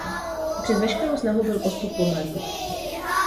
I přes veškerou snahu byl postup pomalý.